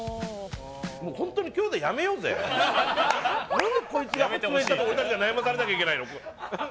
何でこいつが発明したものに俺たちが悩まされなきゃいけないの。